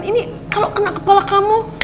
ini kalau kena kepala kamu